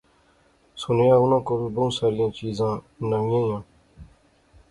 سُنیا اوناں کول بہوں ساریاں چیزاں نویاں ایاں